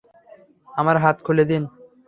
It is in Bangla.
আমার হাত খুলে দিন।